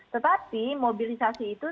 tetapi mobilisasi itu